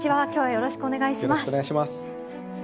よろしくお願いします。